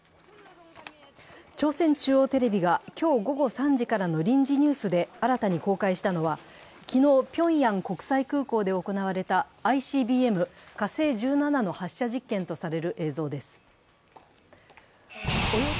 朝鮮中央テレビが今日午後３時からの臨時ニュースで、新たに公開したのは、昨日ピョンヤン国際空港で行われたＩＣＢＭ・火星１７の発射実験とされる映像です。